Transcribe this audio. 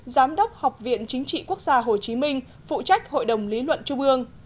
giám đốc học viện chính trị quốc gia hồ chí minh phụ trách hội đồng lý luận trung ương